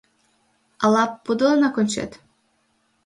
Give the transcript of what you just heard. Ала подылынак ончет?